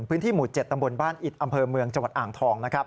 พื้นที่หมู่๗ตำบลบ้านอิดอำเภอเมืองจังหวัดอ่างทอง